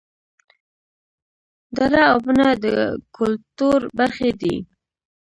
دړه او بنه د کولتور برخې دي